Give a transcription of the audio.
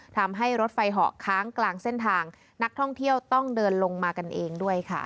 ทำให้รถไฟเหาะค้างกลางเส้นทางนักท่องเที่ยวต้องเดินลงมากันเองด้วยค่ะ